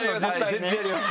全然あります